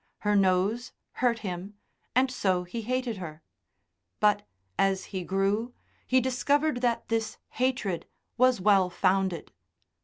Her nose hurt him, and so he hated her. But, as he grew, he discovered that this hatred was well founded.